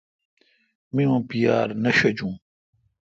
می اں پیار نہ ݭجون۔